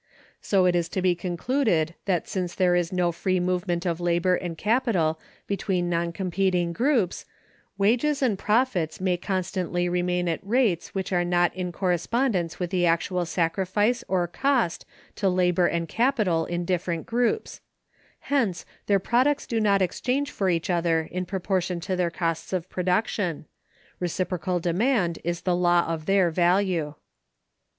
So it is to be concluded that since there is no free movement of labor and capital between non competing groups, wages and profits may constantly remain at rates which are not in correspondence with the actual sacrifice, or cost, to labor and capital in different groups; hence, their products do not exchange for each other in proportion to their costs of production. Reciprocal demand is the law of their value.